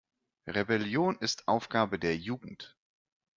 Rebellion ist Aufgabe der Jugend.